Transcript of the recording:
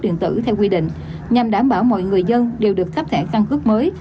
công an tp thủ đức đã đảm bảo mọi người dân đều được khắp thẻ căn cứ mới